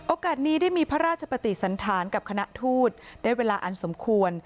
นี้ได้มีพระราชปฏิสันธารกับคณะทูตได้เวลาอันสมควร